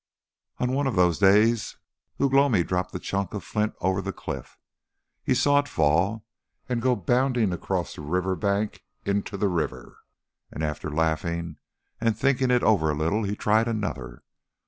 On one of those days Ugh lomi dropped a chunk of flint over the cliff. He saw it fall, and go bounding across the river bank into the river, and after laughing and thinking it over a little he tried another.